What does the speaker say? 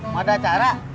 mau ada acara